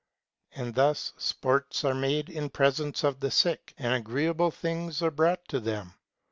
And thus sports are made in presence of the sick, and agreeable things are brought to them.